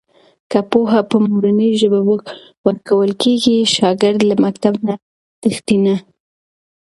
که پوهه په مورنۍ ژبه ورکول کېږي، شاګرد له مکتب نه تښتي نه.